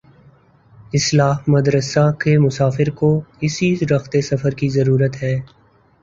اصلاح مدرسہ کے مسافر کو اسی رخت سفر کی ضرورت ہے۔